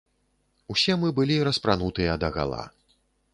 Усе мы былі распранутыя дагала.